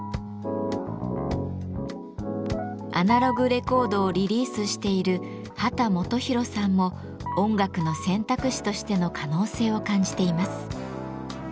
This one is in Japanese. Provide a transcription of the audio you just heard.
アナログレコードをリリースしている秦基博さんも音楽の選択肢としての可能性を感じています。